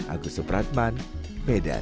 agus sepratman medan